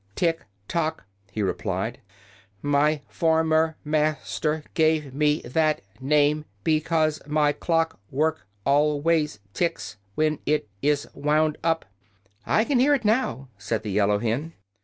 "Tik tok," he replied. "My for mer mas ter gave me that name be cause my clock work al ways ticks when it is wound up." "I can hear it now," said the yellow hen.